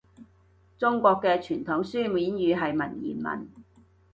中國嘅傳統書面語係文言文